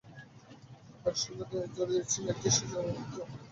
এর সঙ্গে তিনি জড়িয়েছেন একটি শিশুর অপমৃত্যু।